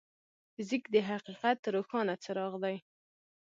فزیک د حقیقت روښانه څراغ دی.